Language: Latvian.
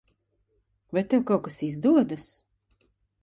Vai tev kaut kas izdodas?